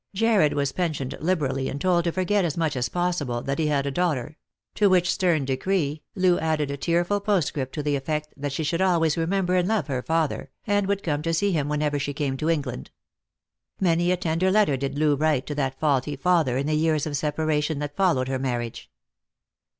Jarred was pensioned liberally, and told to forget as much as possible that he had a daughter ; to which stern decree Loo added a tearful postscript to the effect that she should always remember and love her father, and would come to see him whenever she came to England. Many a tender letter did Loo write to that faulty father in the years of separation that followed her marriage.